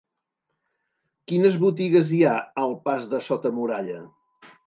Quines botigues hi ha al pas de Sota Muralla?